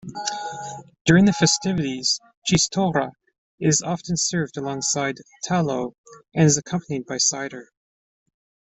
During the festivities, chistorra is often served alongside "talo" and is accompanied by cider.